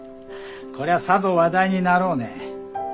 こりゃあさぞ話題になろうね。